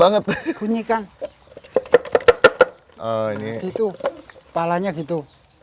gitu kepalanya gitu